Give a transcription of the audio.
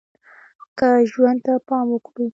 که ژوند ته پام وکړو